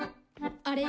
あれ？